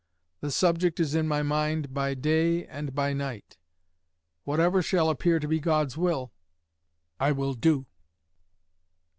The subject is in my mind by day and by night. Whatever shall appear to be God's will, I will do."